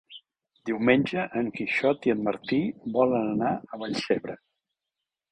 Diumenge en Quixot i en Martí volen anar a Vallcebre.